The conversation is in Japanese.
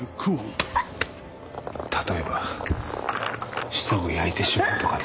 例えば舌を焼いてしまうとかね。